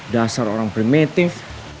dasar orang primitif